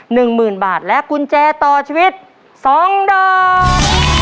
หนึ่งหมื่นบาทและกุญแจต่อชีวิตสองดอก